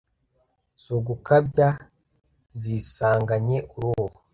si ugukabya nzisanganye urubu